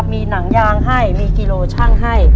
มีหนังยางให้มีกิโลชั่งให้